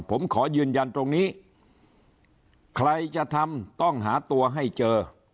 ผมขอยืนยันตรงนี้ใครจะทำต้องหาตัวให้เจอ